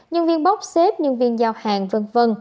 nhân viên bốc xếp nhân viên giao hàng v v